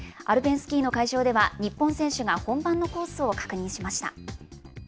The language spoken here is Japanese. アルペンスキーの会場では、日本選手が本番のコースを確認しまし